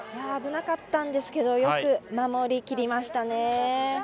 危なかったんですけどよく守りきりましたね。